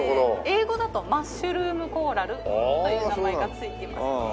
英語だとマッシュルームコーラルという名前がついていますね。